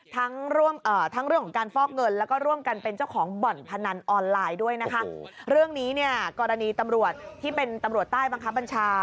ทั้งเรื่องของการฟอกเงินแล้วก็ร่วมกันเป็นเจ้าของบ่อนพนันออนไลน์ด้วยนะคะ